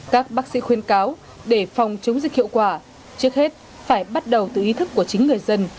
các bác sĩ khuyên cáo để phòng chống dịch hiệu quả trước hết phải bắt đầu từ ý thức của chính người dân